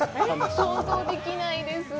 想像できないです。